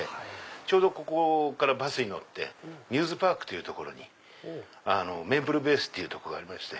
ちょうどここからバスに乗ってミューズパークという所にＭＡＰＬＥＢＡＳＥってとこがありまして。